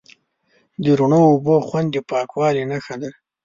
د رڼو اوبو خوند د پاکوالي نښه ده.